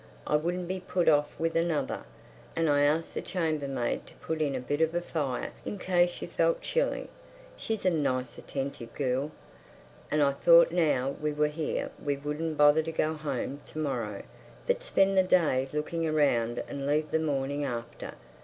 "I wouldn't be put off with another. And I asked the chambermaid to put in a bit of a fire in case you felt chilly. She's a nice, attentive girl. And I thought now we were here we wouldn't bother to go home to morrow, but spend the day looking round and leave the morning after.